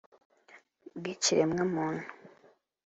bw’ikiremwamuntu